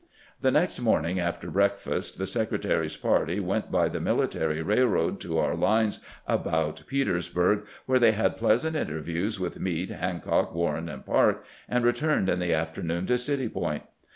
The next morning, after breakfast, the Secretary's party went by the military railroad to our lines about Petersburg, where they had pleasant interviews with Meade, Hancock, Warren, and Parke, and returned in the afternoon to City Point.